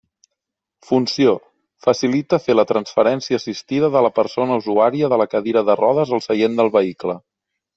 Funció: facilita fer la transferència assistida de la persona usuària de la cadira de rodes al seient del vehicle.